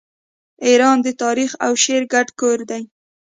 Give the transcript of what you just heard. ایران د تاریخ او شعر ګډ کور دی.